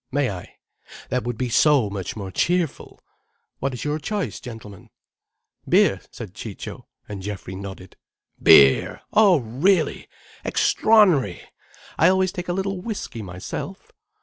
May I? That would be so much more cheerful. What is your choice, gentlemen?" "Beer," said Ciccio, and Geoffrey nodded. "Beer! Oh really! Extraor'nary! I always take a little whiskey myself.